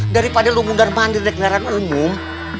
daripada lu mundur mandir naik kendaraan umum